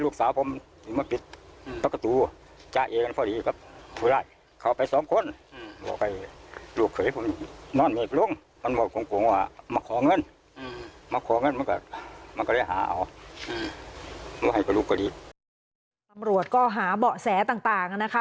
ตำรวจก็หาเบาะแสต่างนะคะ